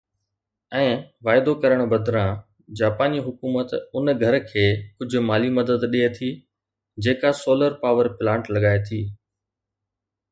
۽ واعدو ڪرڻ بدران، جاپاني حڪومت ان گهر کي ڪجهه مالي مدد ڏئي ٿي جيڪا سولر پاور پلانٽ لڳائي ٿي.